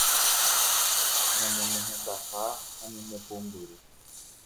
ñane mohendaha ha ñande pumbyry